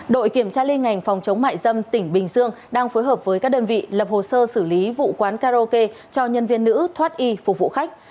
đội kiểm tra liên ngành phòng chống mại dâm tỉnh bình dương đang phối hợp với các đơn vị lập hồ sơ xử lý vụ quán karaoke cho nhân viên nữ thoát y phục vụ khách